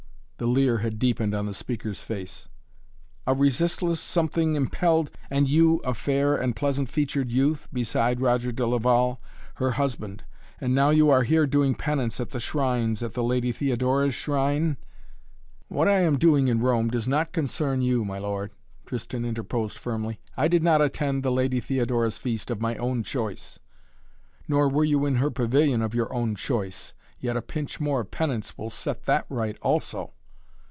The leer had deepened on the speaker's face. "A resistless something impelled " "And you a fair and pleasant featured youth, beside Roger de Laval her husband. And now you are here doing penance at the shrines, at the Lady Theodora's shrine?" "What I am doing in Rome does not concern you, my lord," Tristan interposed firmly. "I did not attend the Lady Theodora's feast of my own choice " "Nor were you in her pavilion of your own choice. Yet a pinch more of penance will set that right also."